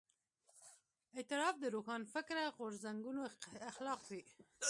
اعتراف د روښانفکره غورځنګونو اخلاق وي.